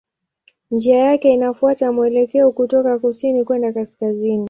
Njia yake inafuata mwelekeo kutoka kusini kwenda kaskazini.